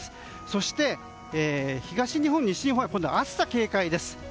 そして東日本、西日本は今度、暑さに警戒です。